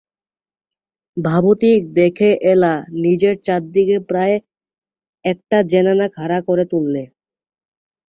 ভাবগতিক দেখে এলা নিজের চারিদিকে প্রায় একটা জেনানা খাড়া করে তুললে।